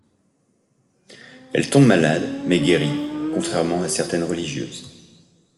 Elle tombe malade, mais guérit, contrairement à certaines religieuses.